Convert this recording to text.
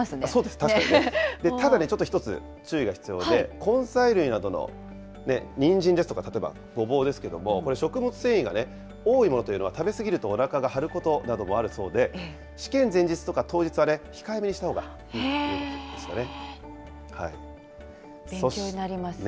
確かにね、ただね、ちょっと１つ、注意が必要で、根菜類などのにんじんですとか、例えば、ゴボウですけれども、食物繊維が多いものというのは食べ過ぎるとおなかが張ることなどもあるそうで、試験前日とか当日は控えめにしたほうがいいということでしたね。